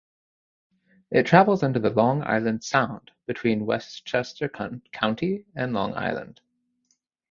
It travels under the Long Island Sound between Westchester County and Long Island.